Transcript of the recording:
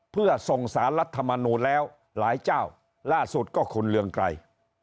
เพื่อส่งสารรัฐมนูลแล้วหลายเจ้าล่าสุดก็คุณเรืองไกร